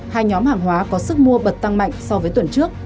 hai nhóm hàng hóa có sức mua bật tăng mạnh so với tuần trước